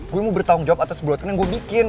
gue mau bertanggung jawab atas perbuatan yang gue bikin